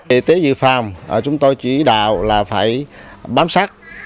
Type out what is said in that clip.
y tế dự phòng chúng tôi chỉ đạo là phải bám sát